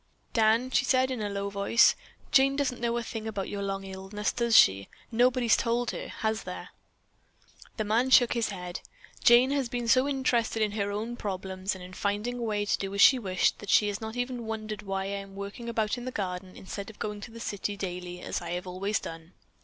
"Dan," she said in a low voice, "Jane doesn't know a thing about your long illness, does she? Nobody's told her, has there?" The man shook his head. "Jane has been so interested in her own problems, and in finding a way to do as she wished, that she has not even wondered why I am working about in the garden instead of going to the city daily, as I always have done.